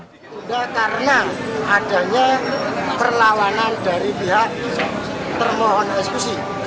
tidak karena adanya perlawanan dari pihak termohon ekskusi